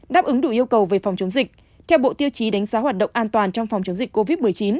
đáp ứng đủ yêu cầu về phòng chống dịch theo bộ tiêu chí đánh giá hoạt động an toàn trong phòng chống dịch covid một mươi chín